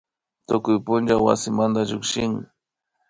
Tukuy punlla wasimanda llukshin